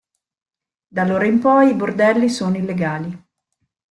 Da allora in poi i bordelli sono illegali.